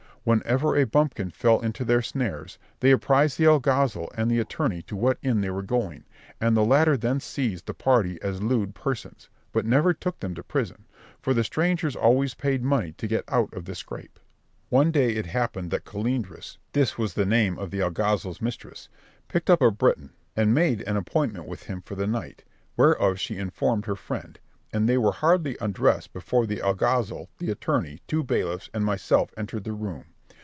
Whenever a bumpkin fell into their snares they apprised the alguazil and the attorney to what inn they were going, and the latter then seized the party as lewd persons, but never took them to prison, for the strangers always paid money to get out of the scrape. One day it happened that Colendres—this was the name of the alguazil's mistress—picked up a Breton, and made an appointment with him for the night, whereof she informed her friend; and they were hardly undressed before the alguazil, the attorney, two bailiffs, and myself entered the room.